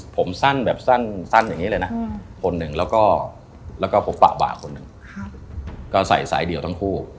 ผมสั้นแบบสั้น